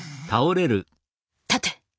立て！